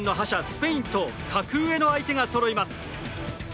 スペインと格上の相手がそろいます。